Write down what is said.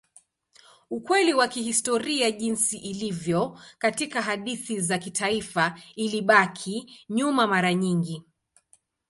Ukweli wa kihistoria jinsi ilivyo katika hadithi za kitaifa ilibaki nyuma mara nyingi.